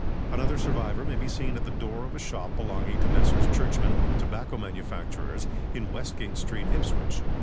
Another survivor may be seen at the door of a shop belonging to Messrs. Churchman, tobacco manufacturers, in Westgate Street, Ipswich.